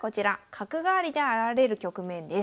角換わりで現れる局面です。